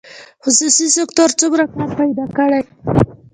خصوصي سکتور څومره کار پیدا کړی؟